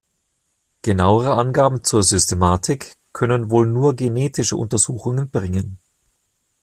Genauere Angaben zur Systematik können wohl nur genetische Untersuchungen bringen.